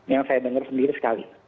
yang saya dengar sendiri sekali